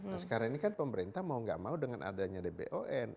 nah sekarang ini kan pemerintah mau gak mau dengan adanya dbon